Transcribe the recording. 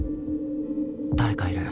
誰かいる